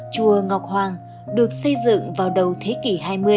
chùa ngọc hoàng được xây dựng vào đầu thế kỷ hai mươi